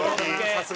さすが！